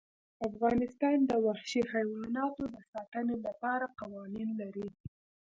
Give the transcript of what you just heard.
افغانستان د وحشي حیوانات د ساتنې لپاره قوانین لري.